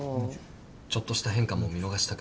ちょっとした変化も見逃したくないので。